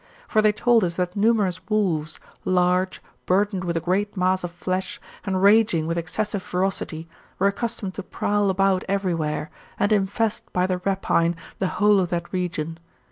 For they told us that numerous wolves, large, burdened with a great mass of flesh, and raging with excessive ferocity, were accustomed to prowl about every where, and infest, by their rapine, the whole of that region.